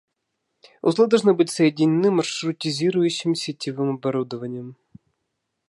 Узлы должны быть соединены маршрутизирующим сетевым оборудованием